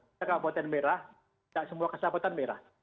kita kabupaten merah tidak semua kecamatan merah